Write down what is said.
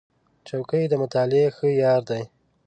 چوکۍ د مطالعې ښه یار دی.